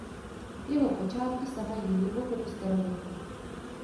Jeho počátky sahají hluboko do starověku.